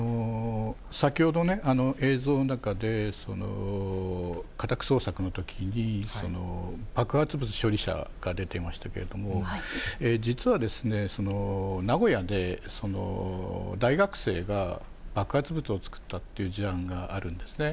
先ほどね、映像の中で、家宅捜索のときに、爆発物処理車が出てましたけれども、実は、名古屋で大学生が爆発物を作ったっていう事案があるんですね。